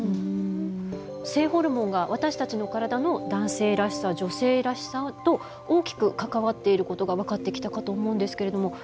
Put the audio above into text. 性ホルモンが私たちの体の男性らしさ女性らしさと大きく関わっていることが分かってきたかと思うんですけれども。